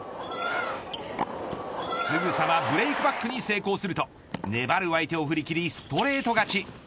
すぐさまブレークバックに成功すると粘る相手を振り切りストレート勝ち。